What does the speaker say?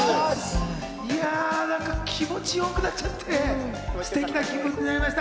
いや、なんか気持ち良くなっちゃって、ステキな気分になりました。